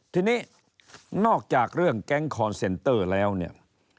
ทีนี้นอกจากเรื่องแก๊งคอนเซนเตอร์แล้วเนี่ย